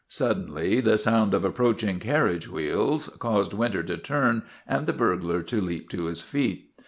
Suddenly the sound of approaching carriage WOTAN, THE TERRIBLE 235 wheels caused Winter to turn and the burglar to leap to his feet.